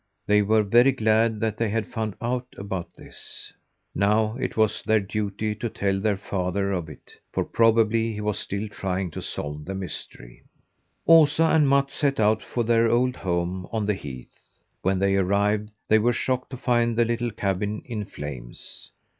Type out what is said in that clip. They were very glad that they had found out about this. Now it was their duty to tell their father of it, for probably he was still trying to solve the mystery. Osa and Mats set out for their old home on the heath. When they arrived they were shocked to find the little cabin in flames.